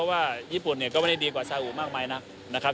ว่าญี่ปุ่นเนี่ยก็ไม่ได้ดีกว่าซาอุมากมายนักนะครับ